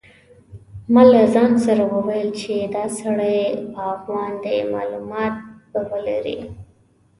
ما له ځان سره وویل چې دا سړی باغوان دی معلومات به ولري.